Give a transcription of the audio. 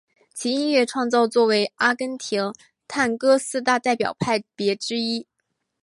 其音乐创作成为阿根廷探戈四大代表派别之一。